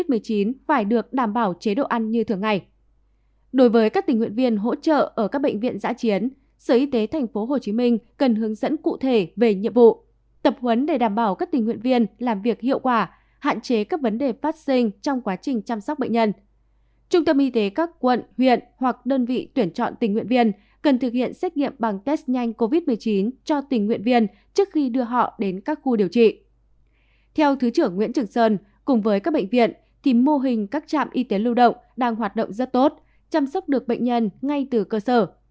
theo thứ trưởng nguyễn trường sơn cùng với các bệnh viện thì mô hình các trạm y tế lưu động đang hoạt động rất tốt chăm sóc được bệnh nhân ngay từ cơ sở